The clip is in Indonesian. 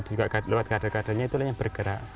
juga lewat kader kadernya itulah yang bergerak